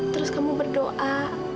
terus kamu berdoa